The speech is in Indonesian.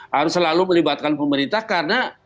harus selalu melibatkan pemerintah karena